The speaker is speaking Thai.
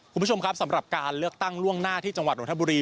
คุณผู้ชมครับสำหรับการเลือกตั้งล่วงหน้าที่จังหวัดนทบุรี